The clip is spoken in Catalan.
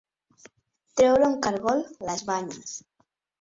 Treure un cargol les banyes.